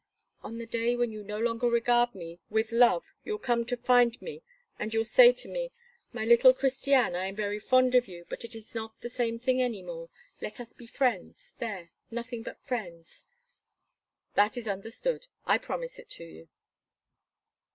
"On the day when you no longer regard me with love you'll come to find me and you'll say to me: 'My little Christiane, I am very fond of you, but it is not the same thing any more. Let us be friends, there! nothing but friends.'" "That is understood; I promise it to you."